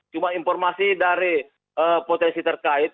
cuma informasi dari potensi terkait